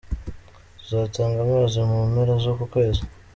Tuzatanga amazi mu mpera z’uku kwezi.